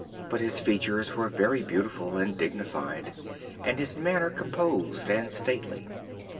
But his features were very beautiful and dignified and his manner composed and stately.